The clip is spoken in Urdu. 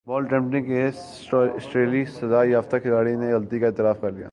بال ٹمپرنگ کیس سٹریلوی سزا یافتہ کھلاڑیوں نےغلطی کا اعتراف کر لیا